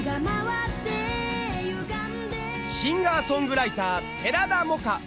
シンガーソングライター寺田もか。